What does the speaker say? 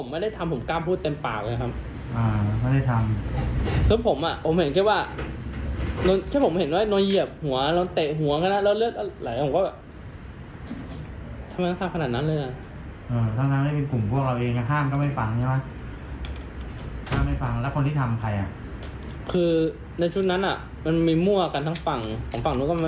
ว่าทำพวกตัวเองด้วยเหมือนกันครับ